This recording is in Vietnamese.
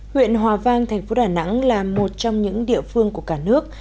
huyện hòa vang thành phố đà nẵng là một trong những địa phương của cả nước